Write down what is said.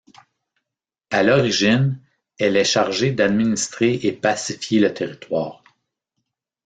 À l'origine, elle est chargée d'administrer et pacifier le territoire.